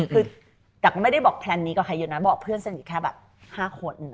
คือแต่ก็ไม่ได้บอกแพลนนี้กับใครเยอะนะบอกเพื่อนสนิทแค่แบบ๕คน